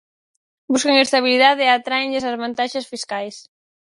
Buscan estabilidade e atráenlles as vantaxes fiscais.